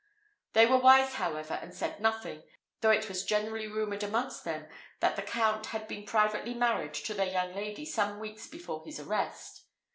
They were wise, however, and said nothing, though it was generally rumoured amongst them that the Count had been privately married to their young lady some weeks before his arrest.